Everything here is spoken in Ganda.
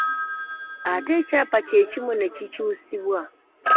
Ate ekyapa kye kimu ne kikyusibwa.